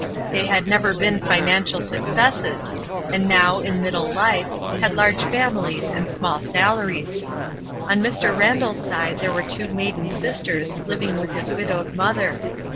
They had never been financial successes, and now, in middle life, had large famiUes and small salaries. On Mr. Randall's side there were two maiden sisters living with his widowed mother.